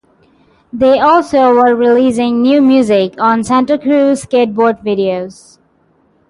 They also were releasing new music on Santa Cruz Skateboard videos.